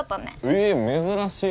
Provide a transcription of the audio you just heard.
え珍しい！